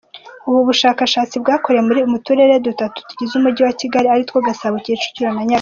Ubu bushakashatsi bwakorewe mu Turere dutatu tugize umujyi wa Kigali aritwo Gasabo, Kicukiro, Nyarugenge.